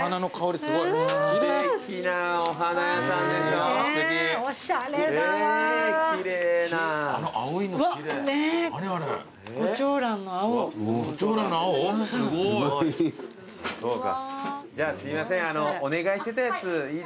すごい。じゃあすいませんお願いしてたやついいですか？